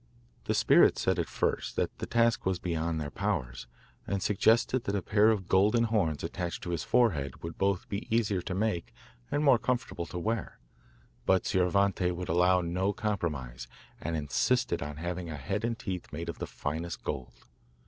The spirits said, at first, that the task was beyond their powers, and suggested that a pair of golden horns attached to his forehead would both be easier to make and more comfortable to wear; but Scioravante would allow no compromise, and insisted on having a head and teeth made of the finest gold.